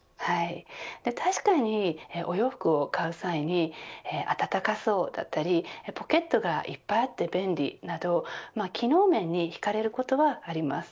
確かにお洋服を買う際に温かそうだったりポケットがいっぱいあって便利だったりと機能面に惹かれることはあります。